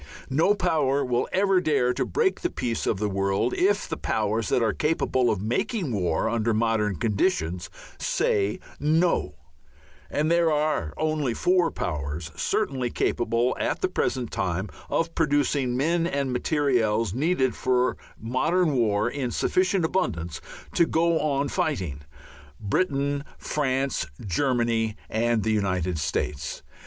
No power will ever dare to break the peace of the world if the powers that are capable of making war under modern conditions say "No." And there are only four powers certainly capable at the present time of producing the men and materials needed for a modern war in sufficient abundance to go on fighting: Britain, France, Germany, and the United States.